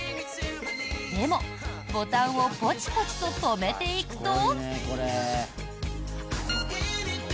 でも、ボタンをポチポチと留めていくと。